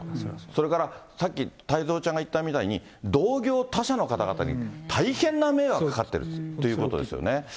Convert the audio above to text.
それから、さっき太蔵ちゃんが言ったみたいに、同業他社の方々に大変な迷惑かかってるということですよね。